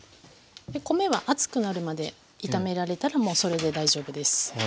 米は熱くなるまで炒められたらもうそれで大丈夫です。